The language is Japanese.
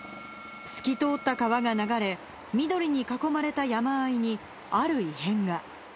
透き通った川が流れ、緑に囲まれた山あいに、ある異変が。